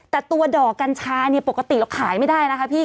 แต่ตัวดอกกัญชาเนี่ยปกติเราขายไม่ได้นะคะพี่